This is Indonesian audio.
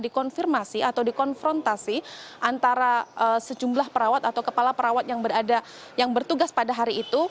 ini yang seharusnya